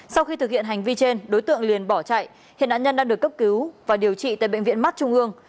sau khi thực hiện hành vi trên đối tượng liền bỏ chạy hiện nạn nhân đang được cấp cứu và điều trị tại bệnh viện mắt trung ương